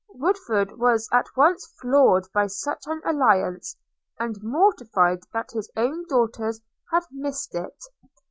Woodford was at once flattered by such an alliance, and mortified that his own daughters had missed it.